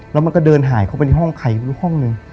แล้วมันก็เดินหายเข้าไปในห้องใครรู้ห้องหนึ่ง